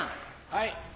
はい。